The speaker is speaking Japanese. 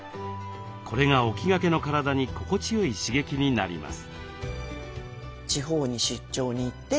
これが起きがけの体に心地よい刺激になります。